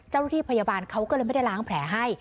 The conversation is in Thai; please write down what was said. เจ้าหน้าที่พยาบาลเขาก็เลยไม่ได้ล้างแผลให้